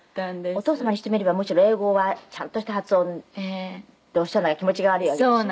お父様にしてみればむしろ英語はちゃんとした発音でおっしゃらないと気持ちが悪いわけでしょ？